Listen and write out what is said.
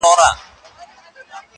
څه مطلب لري سړی نه په پوهېږي.!